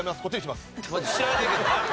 知らねえけどな。